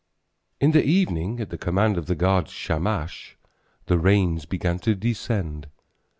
In the evening at the command of the god Shamash the rains began to descend.